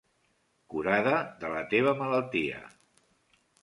Curada de la teva malaltia.